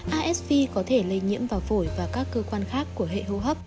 asv có thể lây nhiễm vào phổi và các cơ quan khác của hệ hô hấp